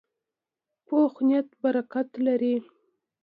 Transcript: پوخ نیت برکت لري